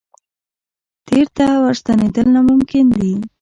تېر ته ورستنېدل ناممکن دي.